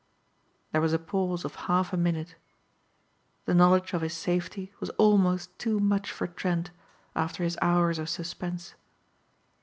There was a pause of half a minute. The knowledge of his safety was almost too much for Trent after his hours of suspense.